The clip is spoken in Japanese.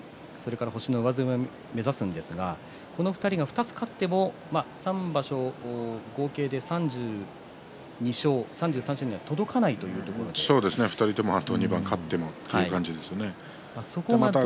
星の上積みを目指すんですがこの２人は２つ勝っても３場所合計で３２勝３３勝には届かない２人ともあと２番勝ってもというところですね。